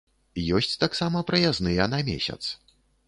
Ёсць таксама праязныя на месяц.